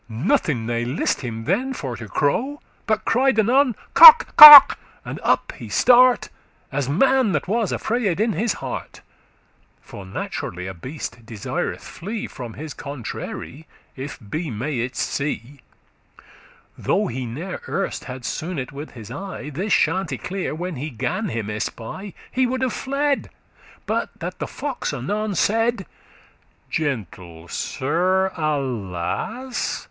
Nothing *ne list him thenne* for to crow, *he had no inclination* But cried anon "Cock! cock!" and up he start, As man that was affrayed in his heart. For naturally a beast desireth flee From his contrary,* if be may it see, *enemy Though he *ne'er erst* had soon it with his eye *never before* This Chanticleer, when he gan him espy, He would have fled, but that the fox anon Said, "Gentle Sir, alas!